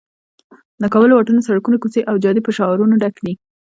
د کابل واټونه، سړکونه، کوڅې او جادې په شعارونو ډک دي.